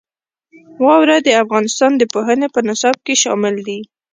واوره د افغانستان د پوهنې په نصاب کې شامل دي.